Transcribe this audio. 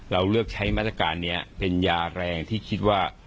เราเลือกใช้มาตรการนี้เป็นยาแรงที่คิดว่า